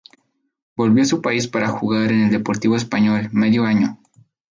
Volvió a su país para jugar en el Deportivo Español medio año.